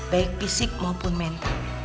baik fisik maupun mental